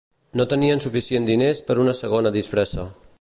No tenien suficient diners per una segona disfressa.